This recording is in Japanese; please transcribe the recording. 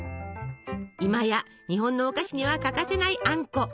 今や日本のお菓子には欠かせないあんこ。